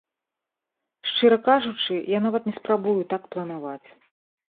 Шчыра кажучы, я нават не спрабую так планаваць.